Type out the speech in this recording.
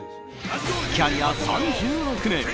キャリア３６年。